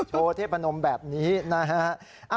โชว์เทพนมแบบนี้นะฮะ